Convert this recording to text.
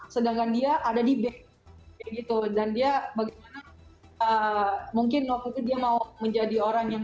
sedangkan dia ada di back kayak gitu dan dia bagaimana mungkin waktu itu dia mau menjadi orang yang